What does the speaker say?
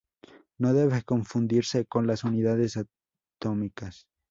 No debe confundirse con las unidades atómicas.